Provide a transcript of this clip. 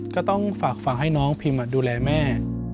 ก็ต้องฝากฝั่งให้น้องพิมดูแลแม่